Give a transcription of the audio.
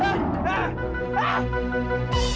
udah apa apaan ini glenn